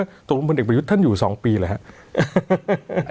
อาจารย์อยู่ตรงอันดักประยุทธอยู่๒ปีเหรอครับ